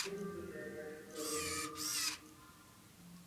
Alileta vurugu kwenye chama